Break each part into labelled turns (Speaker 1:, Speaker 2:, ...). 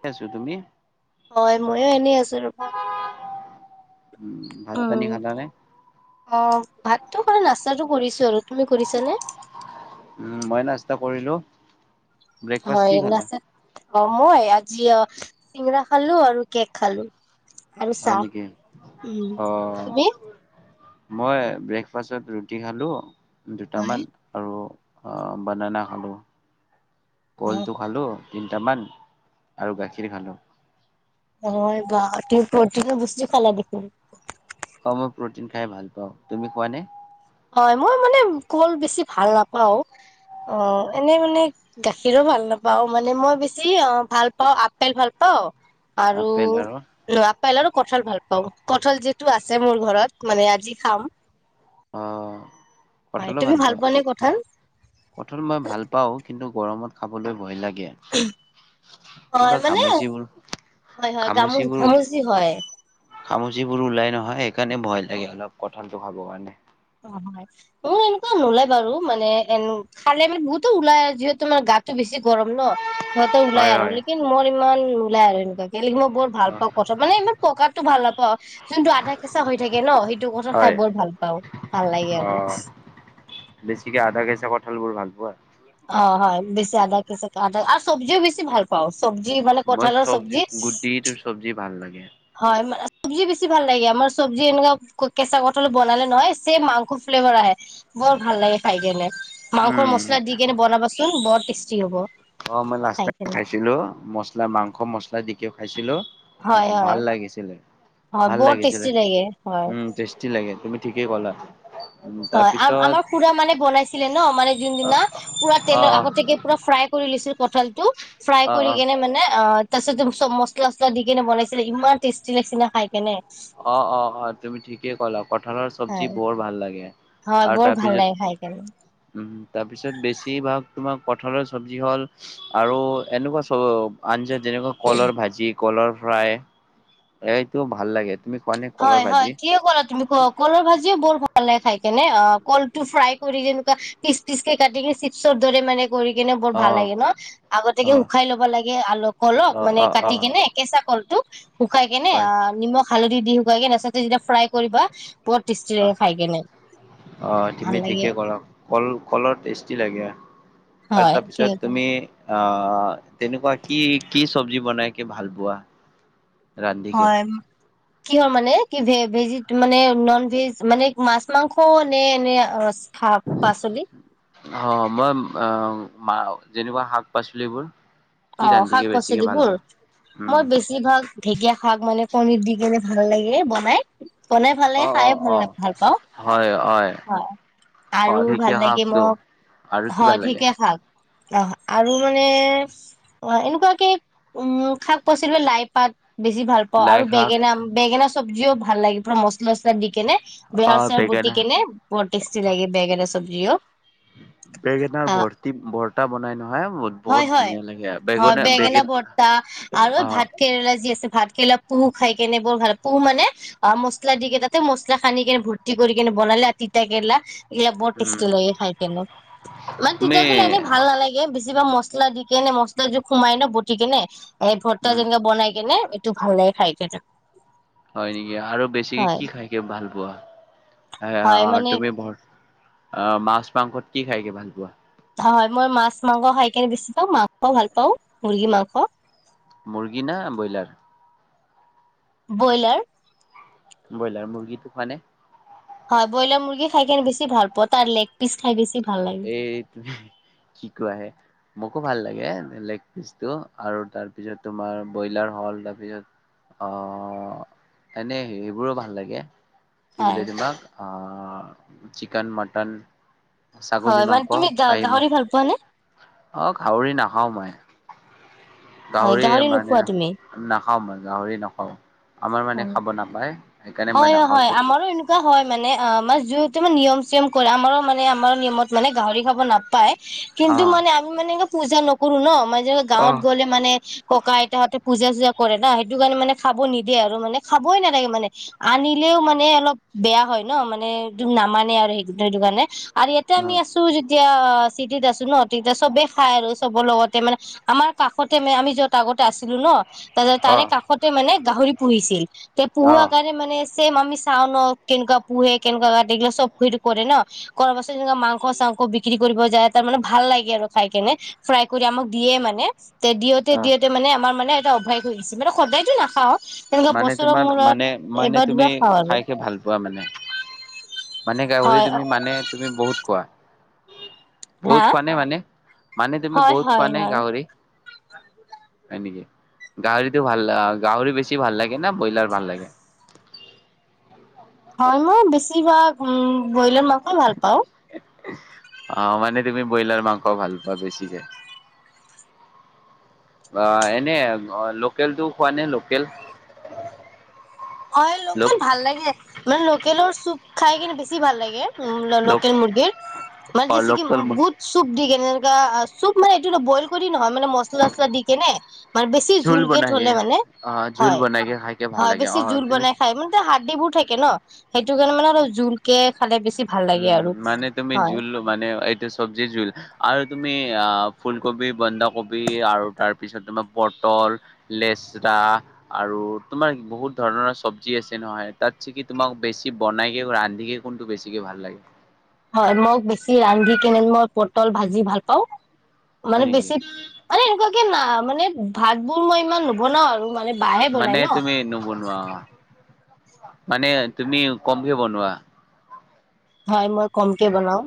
Speaker 1: কেছো তুমি
Speaker 2: হয় ময়ো এনেই আছো ৰবা
Speaker 1: উম ভাত পানী
Speaker 2: উম
Speaker 1: খালানে
Speaker 2: অ ভাতটো খ নাচ্তাতটো কৰিছো আৰু তুমি কৰিছ নে
Speaker 1: উম মই নসা কৰিলো ব্ৰেকফাষ্ট
Speaker 2: হয়
Speaker 1: কি খালা।
Speaker 2: নাস্তা অ মই আজি অ চিঙৰা খালো আৰু কেক খালো। আৰু
Speaker 1: হয় নেকি
Speaker 2: চাহ উম
Speaker 1: অ
Speaker 2: তুমি
Speaker 1: মই ব্ৰেকফাষ্টত ৰুটি খালো
Speaker 2: হয়
Speaker 1: দুটামান আৰু বননাা খালো
Speaker 2: অ'
Speaker 1: কলটো ভালো কিন্তু কটামান আৰু গাখীৰ খালো
Speaker 2: অ বা প্ৰটিন বসছ্তি খালা দেছিল
Speaker 1: কম প্ৰটিন খাই ভাল পাওঁ তুমি কোৱা নে?
Speaker 2: হয় মই মানে কল বেছি ভাল নাপাও অ এনে মানে গাখীৰো ভাল নাপাও মানে মই বেছি অ ভাল পাওঁ আপেল ভাল পাওঁ আৰু আপল আৰুো কঠাল ভাল পাওঁ কঠল যিটো আছে মোৰ ঘৰত মানে আজি খাম
Speaker 1: আহ
Speaker 2: হয় তুমি ভাল পোৱা নে কঠাত
Speaker 1: কঠল মই ভাল পাওঁ কিন্তু গৰমত খাবলৈ ভয় লাগে কিবা
Speaker 2: হয় মানে
Speaker 1: ঘামচিবোৰ
Speaker 2: হয় হয় গামচ গামোচি হয়।
Speaker 1: খামুচিবোৰ ওলাই নহয় সেইকাৰণে ভয় লাগে অলপ কঁঠালটো খাবৰ কাৰণে।
Speaker 2: অ হয় মোৰ এনেকুৱা নোলাই বাৰু মানে এ খালে মানে বহুতো ওলাই যিহেতু মানে গাতটো বেছি। গৰম ন সিহঁতে ওলাই
Speaker 1: হয়
Speaker 2: আৰু
Speaker 1: হয়
Speaker 2: লেকিন মই। কিমান মলাই আৰু। লিখি মই বৰ ভাল
Speaker 1: অ'
Speaker 2: পাওঁ কথা মানে ইমান প্ৰকাৰতটো ভাল নাপাওঁ যোনটো আধা কেঁচা হৈ থাকে ন সেইটো কথা খাই
Speaker 1: হয়
Speaker 2: বৰ ভাল পাওঁ। ভালাগি
Speaker 1: অ
Speaker 2: আৰু।
Speaker 1: বেছিকে আধা কেঁচা কঁঠাল বোৰ ভাল পোৱা।
Speaker 2: অ হয় বেছি আদা কেচা আদা আৰু চব্জিও বেছি ভাল পাওঁ। চব্জি মানে
Speaker 1: মই
Speaker 2: কঠালৰ
Speaker 1: চব্জি গুটি চব্জি ভাল লাগে।
Speaker 2: হয় মানে চবজি বেছি ভাল লাগে আমাৰ চব্জি এনেকুৱা কেঁচা কঠল বনালে নহয় চ মাংস ফ্লেভাৰ আহে বৰ ভাল লাগে খাই কিনে। মাংসৰ
Speaker 1: উম
Speaker 2: মছলা দি কেনে বনাবাচোন বৰ ট। হ'ব।
Speaker 1: অ মই লাষ্ট
Speaker 2: খাই কেনে
Speaker 1: খাইছিলো মছলা মাংস মছলা দি। কিয় খাইছিলোঁ।
Speaker 2: হয় হয়
Speaker 1: ভাল লাগিছিলে
Speaker 2: হয়
Speaker 1: ভাল
Speaker 2: বৰ
Speaker 1: লাগিছিলে
Speaker 2: টেষ্টি লাগে হয়
Speaker 1: উম টেষ্টি লাগে তুমি ঠিক। কি কলা।
Speaker 2: হয় আ
Speaker 1: তাৰপিছত
Speaker 2: আমাৰ খুৰা মানে বনাইছিলে ন মানে
Speaker 1: অ
Speaker 2: যোনদিনা পুৰা
Speaker 1: অ
Speaker 2: তেলৰ আগতেকে পুৰা ফ্ৰাই কৰি লৈছো। পঠলটো। ফ্ৰাই
Speaker 1: অ অ
Speaker 2: কৰি কিনে মানে অ। তাৰপিছত তম চব মছলা চচলা দি কেনে বনাইছিলে ইমান টেষ্টি লাগিে খাই কেনে।
Speaker 1: অ অ অ তুমি ঠিকেইে কলা। কঠালৰ চবজি
Speaker 2: হয়
Speaker 1: বৰ ভাল লাগে
Speaker 2: হয়
Speaker 1: আৰু
Speaker 2: বৰ
Speaker 1: তাৰ
Speaker 2: ভাল
Speaker 1: পিছত
Speaker 2: লাগে খাই কেনে
Speaker 1: উ। তাৰপিছত বেছিভাগ তোমাৰ কঠালৰ চব্জি হ'ল আৰু এনেকুৱা চব আঞ্জাত। যেনেকুৱা কলৰ ভাজি। কলৰ ফাই। এইটো ভাল লাগে। কলৰ
Speaker 2: হয় হয়
Speaker 1: ভাজি?
Speaker 2: কিয় কৰা তুমি ক কলৰ ভাজিও বৰ ভাল। পালাই খাই কেনে অ কল টো ফ্ৰাই কৰি যেনেকুৱা পিচ পিচ কে কাটি চিপছৰ দৰে মানে। কৰি কিনে বৰ ভাল
Speaker 1: অ',
Speaker 2: লাগে ন আগতেকে
Speaker 1: অ',
Speaker 2: শুকাই ল'ব লাগে আল কলক
Speaker 1: অ',
Speaker 2: মানে
Speaker 1: অ',
Speaker 2: কাটি
Speaker 1: অ',
Speaker 2: কেনে কেঁচা কল টো। উ [unintelligible] শুকাই কেনে
Speaker 1: হয়,
Speaker 2: অ নিমখ। হালধি দিও। নেচা যেতিয়া ফ্ৰাই কৰিবা। বৰ টেষ্টি
Speaker 1: অ
Speaker 2: লাগে খাই কেনে
Speaker 1: অহ
Speaker 2: ভাল
Speaker 1: তুমি
Speaker 2: লাগে
Speaker 1: ঠিকে কৰা কল কলৰ টেষ্টি লাগে। আৰু
Speaker 2: হয়
Speaker 1: তাৰ পিছত
Speaker 2: ঠিক
Speaker 1: তুমি আহ, তেনেকুৱা কি কি চবজি বনাই কি ভাল পোৱা? ৰান্ধিকে।
Speaker 2: হয় কিহৰ মানে, কি ভে ভেজিত মানে নন ভেজ মানে মাছ মাংস নে এনে শাক পাচলি
Speaker 1: অ মই অ মা যেনেকুৱা শাক পাচলিবোৰ কি
Speaker 2: অ শাক
Speaker 1: ৰান্ধিকে বেছিকে ভাল
Speaker 2: পাচলিবোৰ,
Speaker 1: পোৱা?
Speaker 2: মই
Speaker 1: উম।
Speaker 2: বেছি ভাগ ঢেঁকীয়া শাক মানে কণিত দি কেনে ভাল লাগে বনাই। বনাই ভাল লাগে,
Speaker 1: অ',
Speaker 2: খাই
Speaker 1: অ',
Speaker 2: ভাল
Speaker 1: অ'।
Speaker 2: ভাল পাওঁ, হয় আৰু
Speaker 1: খৰিকীয়া
Speaker 2: ভাল লাগে
Speaker 1: শাকটো
Speaker 2: মোক,
Speaker 1: আৰু কি ভাল
Speaker 2: হয়
Speaker 1: লাগে
Speaker 2: ঠিকে খাক অ আৰু মানে অ এনেকুৱাকে, উম শাক পাচলি লাই পাত বেছি ভাল পাওঁ
Speaker 1: লাই
Speaker 2: আৰু
Speaker 1: শাক
Speaker 2: বেঙেনা, বেঙেনা চবজিও ভাল লাগে পুৰা মচলা অচলা দি কিনে বহ
Speaker 1: আহ
Speaker 2: চাৰ বতি
Speaker 1: বেঙেনা
Speaker 2: কেনে বৰ টেষ্টি লাগে, বেঙেনা এটা চবজিও,
Speaker 1: বেঙেনাৰ
Speaker 2: আহ
Speaker 1: ভৰ্তি ভৰ্তা বনাই নহয় বহুত
Speaker 2: হয়
Speaker 1: বহুত
Speaker 2: হয়।
Speaker 1: ধুনীয়া লাগে
Speaker 2: হয় বেঙেনা
Speaker 1: বেঙেন
Speaker 2: ভৰ্তা আৰু
Speaker 1: অ
Speaker 2: ভাত কেৰেলা যি আছে ভাত কেৰেলা পুহু খাই কেনে বৰ ভাল পুহু মানে অ মছলা দি কেনে তাতে মছলা খান্দি কেনে ভৰ্তি কৰি কেনে বনালে আৰু তিতা কেৰেলা এইবিলাক বৰ
Speaker 1: উম
Speaker 2: টেষ্টি লাগে খাই কেনে, মানে
Speaker 1: তুমি
Speaker 2: তেতিয়া গিলা এনেই ভাল নালাগে কিবা মছলা দি কেনে ম চলা সোমাই ন বতিকে নে এই ভৰ্তা
Speaker 1: উম
Speaker 2: যেনকা বনাইকিনে এইটো ভাল লাগে খাই কিনে।
Speaker 1: হয় নেকি আৰু বেছিকে কি খাই কে ভাল পোৱা? সে
Speaker 2: হয়
Speaker 1: অ
Speaker 2: মানে
Speaker 1: তুমি ব মাছ মাংসত কি খাই কে ভাল পোৱা?
Speaker 2: হয় মই মাছ মাংস খাই কেনে বেছি পাওঁ, মাংস ভাল পাওঁ, মুৰ্গী মাংস।
Speaker 1: মুৰ্গী ন ব্ৰইলাৰ?
Speaker 2: ব্ৰইলাৰ।
Speaker 1: ব্ৰইলাৰ, মুৰ্গীটো খোৱা নে?
Speaker 2: হয়, ব্ৰইলাৰ মুৰ্গী খাই কেনে বেছি ভাল পা তাৰ লেগ পিচ খাই বেছি ভাল লাগে
Speaker 1: এই তুমি, শিকোৱাহে মোকো ভাল লাগে লাইক আৰু তাৰপিছত তোমাৰ ব্ৰইলাৰ হল, তাৰপিছত আহ, এনে সেইবোৰো ভাল লাগে। কি
Speaker 2: হয়
Speaker 1: বুলি তোমাক আহ চিকন, মটন ছাগলী
Speaker 2: হয় মানে
Speaker 1: মাংস,
Speaker 2: তুমি গা
Speaker 1: খাহী
Speaker 2: গাহৰি
Speaker 1: মাংস,
Speaker 2: ভাল পোৱা নে
Speaker 1: অ গাহৰি নাখাও মই।
Speaker 2: হয় গাহৰি নোখোৱা তুমি?
Speaker 1: ন মই গাহৰি নখাও। আমাৰ মানে
Speaker 2: হয়
Speaker 1: খাব নাপায়, সেইকাৰণে মই
Speaker 2: হয় হয়
Speaker 1: নাখাওঁতে
Speaker 2: আমাৰো এনেকুৱা হয় মানে অ মাছ যিটো মানে নিয়ম চিয়ম কৰে আমাৰো মানে আমাৰ নিয়মত মানে গাহৰি খাব নাপায়। কিন্তু
Speaker 1: অ'
Speaker 2: মানে আমি মানে পূজা নকৰো ন, ম গাঁৱত
Speaker 1: অ'
Speaker 2: গলে মানে, ককা আইতাহঁতে পূজা- চূজা কৰে ন সেইটো কাৰণে মানে খাব নি দিয়ে আৰু মানে খাবই নালাগে মানে, আনিলেও মানে অলপ বেয়া হয় ন মানে একদম নামানে আৰু সেই সেইটো কাৰণে আৰু ইয়াতে আমি
Speaker 1: উম
Speaker 2: আছো যদি তেতিয়া চিটিত আছো ন, তেতিয়া চবে খাই আৰু চবৰ লগতে মানে আমাৰ কাষতে মানে আমি যত আগতে আছিলো ন তাৰপাছত তাৰে
Speaker 1: অ'
Speaker 2: কাষতে মানে গাহৰি পুহিছিল। এ পুহোৱা
Speaker 1: অ'
Speaker 2: কাৰণে মানে- চেম আমি চাওঁ ন কেনেকুৱা পোহে, কেনেকুৱা কাটে, এইবিলাক চব সেইটো কৰে ন কৰ পাছত যেনেকা মাংস চাংস বিক্ৰী কৰিব যায়, তাৰ মানে ভাল লাগে আৰু খাই কেনে ফ্ৰাই কৰি আমাক দিয়ে মানে তে দিয়তে
Speaker 1: অ'
Speaker 2: দিয়তে মানে আমাৰ মানে এ অভাগ হৈ আহিছে, মানে সদায়তো নাখাও তেনেকুৱা
Speaker 1: মানে,
Speaker 2: বছৰৰ
Speaker 1: তোমাৰ
Speaker 2: মূৰত
Speaker 1: মানে মানে
Speaker 2: এবাৰ
Speaker 1: তুমি
Speaker 2: দুবাৰ খাওঁ আৰু
Speaker 1: খাই খে ভাল পোৱা মানে মানে গাহৰি
Speaker 2: হয়
Speaker 1: তুমি মানে, তুমি বহুত খোৱা। বহুত
Speaker 2: হা
Speaker 1: খোৱা নে মানে, মানে তুমি
Speaker 2: হয়
Speaker 1: বহুত খোৱা
Speaker 2: হয়
Speaker 1: নে
Speaker 2: হয়
Speaker 1: গাহৰি? হয় নেকি, গাহৰিটো ভাল গাহৰি বেছি ভাল লাগে ন ব্ৰইলাৰ ভাল লাগে?
Speaker 2: হয় মই বেছিভাগ ব্ৰইলাৰ মাংসই ভাল পাওঁ।
Speaker 1: আহ, মানে তুমি ব্ৰইলাৰ মাংস ভাল পোৱা বেছিকে। অ এনে লোকেল তো খোৱা নে লোকেল?
Speaker 2: হয়
Speaker 1: লোক
Speaker 2: লোকেল ভাল লাগে, মানে লোকেলৰ চু খাই কিনে বেছি ভাল লাগে। উম
Speaker 1: লোক
Speaker 2: লোকেল মুৰ্গীৰ, মানে
Speaker 1: অ'
Speaker 2: জেচে কি
Speaker 1: লোকেল
Speaker 2: বুত চু ঠিক যেনেকা চুপ মানে এইটো ন বইল কৰি ন মানে মচলা অচলা দি কিনে, মানে বেছি
Speaker 1: জোল
Speaker 2: জুলকে
Speaker 1: বনাই
Speaker 2: ঝলে
Speaker 1: দিয়ে
Speaker 2: মানে,
Speaker 1: অ' জোল
Speaker 2: হয়,
Speaker 1: বনাই কে খাইকে ভাল
Speaker 2: হয়
Speaker 1: লাগে
Speaker 2: বেছি
Speaker 1: অ'
Speaker 2: জোল
Speaker 1: তুমি
Speaker 2: বনাই খাই মানে হাৰ্ডিবোৰ থাকে ন সেইটো কাৰণে মানে অলপ জোলকে খালে বেছি ভাল লাগে
Speaker 1: উম,
Speaker 2: আৰু
Speaker 1: মানে তুমি
Speaker 2: হয়
Speaker 1: জোল লবা নে, এইটো চবজি জোল আৰু তুমি ফুলকবি, বন্ধাকবি আৰু তাৰ পিছত তোমাৰ পটল, লেচৰা আৰু তোমাৰ বহুত ধৰণৰ চবজি আছে নহয়, তাতছে কি তোমাক বেছি বনাইকে ৰান্ধিকে কোনটো বেছি ছিকে ভাল লাগে?
Speaker 2: হয় মই বেছি ৰান্ধি কেনে মই পটল ভাজি ভাল পাওঁ। মানে
Speaker 1: হয় নেকি?
Speaker 2: বেছি, মানে এনেকুৱা কি না মানে, ভাত বোৰ মই ইমান নবনাও আৰু মানে বাহে বনাই
Speaker 1: মানে
Speaker 2: ন
Speaker 1: তুমি নবনোৱা। মানে তুমি কমকে বনোৱা।
Speaker 2: হয় মই কমকে বনাও।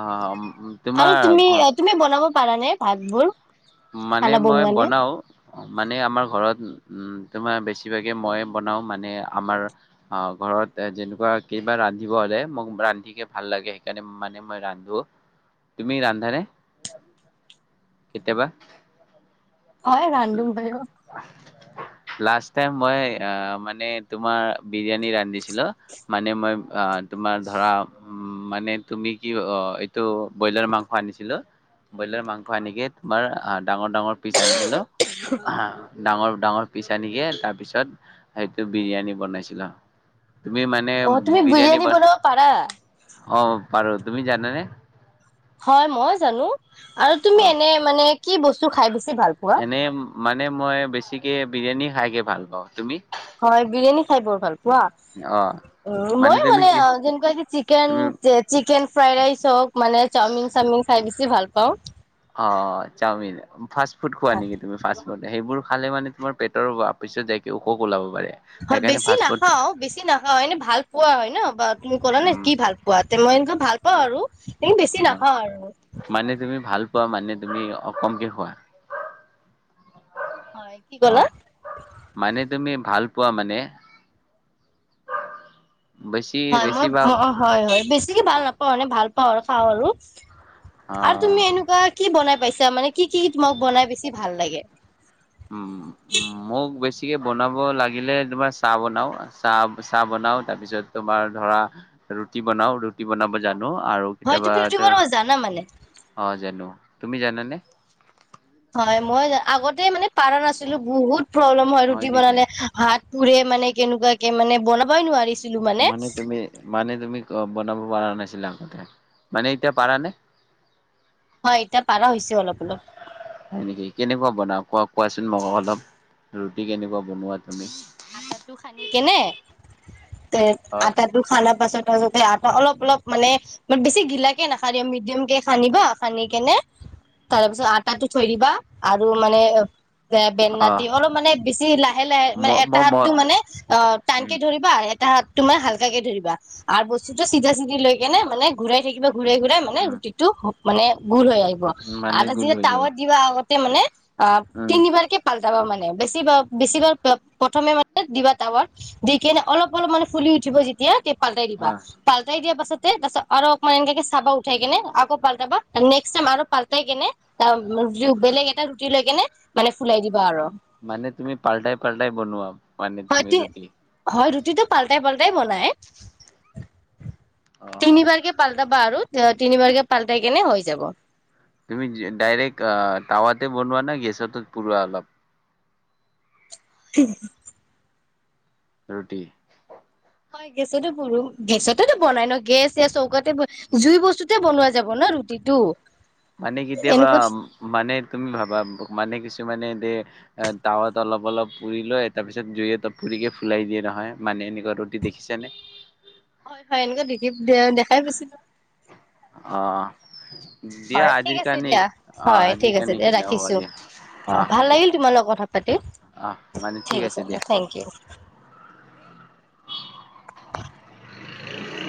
Speaker 1: অ,
Speaker 2: আৰু
Speaker 1: তোমাৰ
Speaker 2: তুমি
Speaker 1: ঘৰ
Speaker 2: তুমি বনাব পাৰানে ভাতবোৰ?
Speaker 1: মানে
Speaker 2: খানা
Speaker 1: মই
Speaker 2: বনোৱা নে
Speaker 1: বনাও, মানে আমাৰ ঘৰত উম। তোমাৰ বেছিভাগে মই বনাও মানে আমাৰ, অ ঘৰত যেনেকুৱা কিবা ৰান্ধিব হ'লে মোক ৰান্ধিকে ভাল লাগে সেইকাৰণে মানে মই ৰান্ধো, তুমি ৰান্ধানে কেতিয়াবা?
Speaker 2: অ ৰান্ধো ভ
Speaker 1: লাষ্ট টাইম মই, আহ মানে তোমাৰ বিৰিয়ানী ৰান্ধিছিলো মানে মই তোমাৰ ধৰা উম মানে তুমি কি এইটো ব্ৰইলাৰ মাংস আনিছিলো, ব্ৰইলাৰ মাংস আনিকে তোমাৰ ডাঙৰ ডাঙৰ পিছ আনিছিলো হা। ডাঙৰ ডাঙৰ পিছ আনিকে তাৰ পিছত সেইটো বিৰিয়ানী বনাইছিলো। তুমি মানে
Speaker 2: অ তুমি
Speaker 1: বিৰিয়ানী বন,
Speaker 2: বনাব পাৰা
Speaker 1: অ। পাৰ তুমি জানা নে?
Speaker 2: হয় মই জানো, আৰু তুমি এনে মানে কি বস্তু খাই বেছি ভাল পোৱা
Speaker 1: এনেই মানে মই বেছিকে বিৰিয়ানী খাই কে ভাল পাওঁ তুমি?
Speaker 2: হয় বিৰিয়ানী খাই বৰ ভাল প
Speaker 1: অ
Speaker 2: পোৱা, মই
Speaker 1: তুমি
Speaker 2: মানে
Speaker 1: কি
Speaker 2: যেনেকোৱা যে চিকেন,
Speaker 1: তুমি
Speaker 2: চিকেন ফ্ৰাই ৰাইচ হওক মানে চাওমিন চাওমিন খাইচ কি ভাল পাওঁ
Speaker 1: অ, চাওমিন, ফাষ্ট ফুড খোৱা নেকি তুমি ফা সেইবোৰ খালে মানে তোমাৰ পেটৰ পিছত যাইকে অসুখ ওলাব। পাৰে
Speaker 2: হয়
Speaker 1: সেইকাৰণে
Speaker 2: বেছি
Speaker 1: ফাষ্ট ফুড
Speaker 2: নাখাও, বেছি নাখাও এনে ভাল পোৱা হয় ন বা তুমি ক'লা নে
Speaker 1: উম
Speaker 2: কি ভাল পোৱা মই ভাল অ আৰু বেছি নাখাওঁ আৰু।
Speaker 1: খোৱা মানে তুমি অকমকে খোৱা।
Speaker 2: হয় কি
Speaker 1: অহ,
Speaker 2: ক'লা
Speaker 1: মানে তুমি ভাল পোৱা মানে বেছি
Speaker 2: হয়, মই
Speaker 1: বেছিভাগ
Speaker 2: হয় হয় বেছিকে ভাল নাপাওঁ মানে ভাল- অ খাওঁ আৰু।
Speaker 1: অ
Speaker 2: আৰু তুমি এনেকুৱা কি বনাই পাইছা মানে, কি কি তোমাক বনাই বেছি ভাল লাগে?
Speaker 1: উম উম, মোক বেছি গতিকে বনাব লাগিলে তোমাৰ চাহ বনাও, চাহ চাহ বনাও তাৰপিছত তোমাৰ ধৰা ৰুটি বনাও ৰুটি বনাব যাত জানো আৰু
Speaker 2: হয়
Speaker 1: কেতিয়াবা,
Speaker 2: তুমি ৰুটি বনাব জানা মানে?
Speaker 1: অ জানো। তুমি জানানে?
Speaker 2: হয় মই আগত মানে পাৰণ আছিলো বহুত প্ৰব্লেম হয় ৰুটি বনালে হাত পুৰে মানে কেনেকুৱাকে মানে বনাবই নোৱাৰিছ
Speaker 1: মানে তুমি, মানে তুমি বনাব পাৰা নাই। সিধা কথা, মানে এতিয়া পাৰা নে?
Speaker 2: হয় এতিয়া পাৰা হৈছে অলপ অলপ।
Speaker 1: সেনেকে কেনেকুৱা বনাও কোৱা কোৱাচোন মোক অলপ ৰুটি কেনেকুৱা বনোৱা? তুমি
Speaker 2: আটাটো খান্দি কেনে তে
Speaker 1: হয়
Speaker 2: আটাটো খানা পাছত তাৰপিছতে আ অলপ অলপ মানে বেছি ঘিলাকে নাখান্দিবা, মিডিয়াম কে খান্দিবা, খান্দি কেনে তাৰপিছত আটাটো থৈ দিবা আৰু মানে
Speaker 1: অ
Speaker 2: বেননাতি অলপ মানে বেছি লাহে লাহে
Speaker 1: ম
Speaker 2: মানে
Speaker 1: ম ম
Speaker 2: তাহাতটো মানে অ টানকে
Speaker 1: উম
Speaker 2: ধৰিব আৰু এটা হাত তোমাৰ হালকাকে ধৰিবা আৰু বস্তুটো চিধা চিধি লৈ কেনে মানে ঘূৰাই থাকিবা ঘূৰাই ঘূৰাই মানে
Speaker 1: উম
Speaker 2: ৰুটিটো হ মানে- গুৰ হৈ আহিব
Speaker 1: মানে
Speaker 2: আৰু
Speaker 1: গোল
Speaker 2: যেতিয়া
Speaker 1: হৈ যাব
Speaker 2: টাৱাত দিবা আগ মানে অ
Speaker 1: উম
Speaker 2: তিনিবাৰকে পাল যাবা মানে, বেছি বাৰ বেছিভাগ প্ৰথমে মানে দিবা টাৱাত, দি কিনে অলপ অলপ মানে ফুলি উঠিব যেতিয়া পালটাই দিবা,
Speaker 1: হা
Speaker 2: পালটাই দিয়াৰ পাছত তাৰ পাছত আৰু অকমান এনকে চাবা উঠাই কেনে আকৌ পালটাবা, নেক্সট টাইম আৰু পালটাই কেনে বেলেগ এটা ৰুটি লৈ কেনে মানে ফুলাই দিবা আৰু।
Speaker 1: মানে তুমি পাল্টাই পাল্টাই বনোৱা মানে
Speaker 2: হয়
Speaker 1: তুমি
Speaker 2: তি
Speaker 1: ৰুটি।
Speaker 2: হয় ৰুটিটো পাল্টাই পাল্টাই বনাই।
Speaker 1: অ অ
Speaker 2: তিনিবাৰকে পালটাবা আৰু তিনিবাৰকে পালটাই কেনে হৈ যাব।
Speaker 1: তুমি ডাইৰেক্ট টাৱাতে বনোৱা নে গেছত পুৰোৱা অলপ?
Speaker 2: হু।
Speaker 1: ৰুটি
Speaker 2: হয় গেছতে পোৰো, গেছতেতো বনাই ন গেছ চৌকাতে জুই বস্তুতে বনোৱা যাব না ৰুটিটো।
Speaker 1: মানে কেতিয়াবা,
Speaker 2: এনেকুৱা
Speaker 1: মানে তুমি ভাবা মানে কিছো? মানে এ টাৱাত অলপ অলপ পুৰি লয়, তাৰপিছত জুই অ পুৰিকে ফুলাই দিয়ে নহয় মানে এনেকুৱা ৰুটি দেখিছেনে?
Speaker 2: হয় হয় এনেকুৱা দেখিব দে দেখাই গৈছিলো।
Speaker 1: হয়।
Speaker 2: হয় ঠিক আছে দিয়া, হয় ঠিক আছে
Speaker 1: কাৰণে হ'ব
Speaker 2: ৰাখিছো,
Speaker 1: দিয়া
Speaker 2: অ ভাল লাগিল তোমাৰ লগ কথা পাতি,
Speaker 1: অ মানে ঠিক আছে দিয়া
Speaker 2: থেংক ইউ।
Speaker 1: [inaudible]